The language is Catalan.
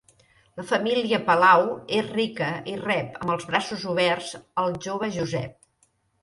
La família Palau és rica i rep amb els braços oberts el jove Josep.